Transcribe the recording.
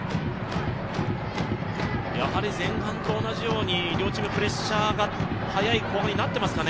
前半と同じように、両チームプレッシャーが速い後半になっていますかね？